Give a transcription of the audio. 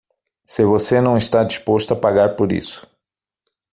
Se você não está disposto a pagar por isso